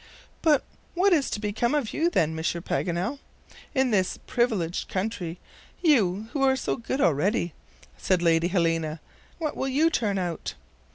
"But what is to become of you then, Monsieur Paganel, in this privileged country you who are so good already?" said Lady Helena. "What will you turn out?"